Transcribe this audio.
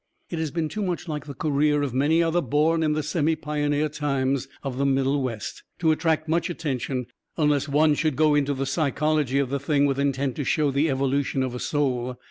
It has been too much like the career of many another born in the semi pioneer times of the Middle West, to attract much attention, unless one should go into the psychology of the thing with intent to show the evolution of a soul.